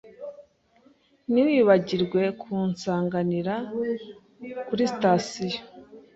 Ntiwibagirwe kunsanganira kuri sitasiyo.